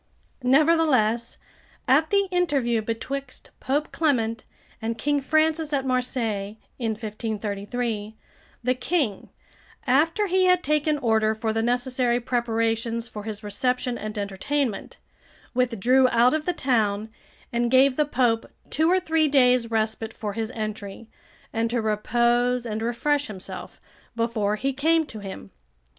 Nevertheless, at the interview betwixt Pope Clement and King Francis at Marseilles, [in 1533.] the King, after he had taken order for the necessary preparations for his reception and entertainment, withdrew out of the town, and gave the Pope two or three days' respite for his entry, and to repose and refresh himself, before he came to him.